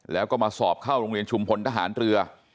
แล้วก็มาสอบเข้าโรงเรียนชุมพลทหารเรือ